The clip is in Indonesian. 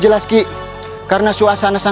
selalu banding bujang